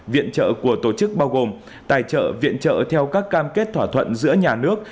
viện trợ của tổ chức bao gồm tài trợ viện trợ theo các cam kết thỏa thuận giữa nhà nước